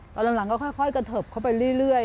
ตอนหลังก็ค่อยกระเทิบเข้าไปเรื่อย